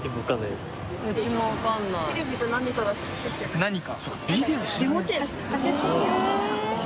何か？